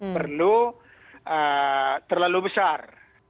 perlu terlalu besar